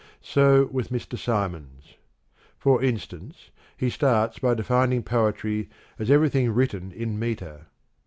So with Mr. Symons. For instance, he starts by defining poetry as everything written in metre.